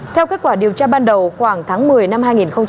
theo kết quả điều tra ban đầu khoảng tháng một mươi năm hai nghìn hai mươi một